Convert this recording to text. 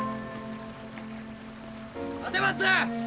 立松！